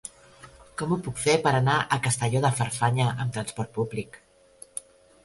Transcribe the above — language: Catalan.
Com ho puc fer per anar a Castelló de Farfanya amb trasport públic?